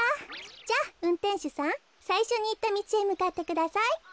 じゃあうんてんしゅさんさいしょにいったみちへむかってください。